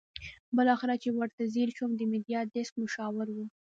بالاخره چې ورته ځېر شوم د میډیا ډیسک مشاور وو.